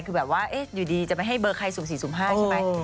คือแบบว่าอยู่ดีจะไม่ให้เบอร์ใคร๐๔๐๕ใช่ไหม